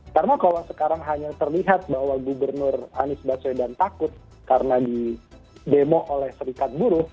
karena kalau sekarang hanya terlihat bahwa gubernur anies baswedan takut karena di demo oleh serikat buruh